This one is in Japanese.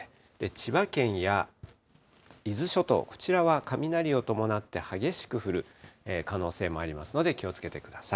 千葉県や伊豆諸島、こちらは雷を伴って激しく降る可能性もありますので気をつけてください。